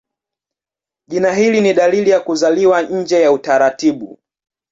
Jina hili ni dalili ya kuzaliwa nje ya utaratibu.